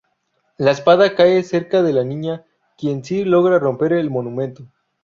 La espada cae cerca de la niña, quien sí logra romper el monumento.